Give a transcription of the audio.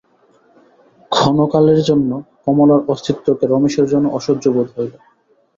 ক্ষণকালের জন্য কমলার অস্তিত্বকে রমেশের যেন অসহ্য বোধ হইল।